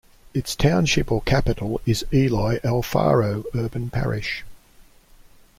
Its township or capital is Eloy Alfaro, urban parish.